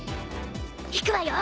いくわよ！